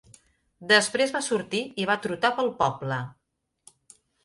Després va sortir i va trotar pel poble.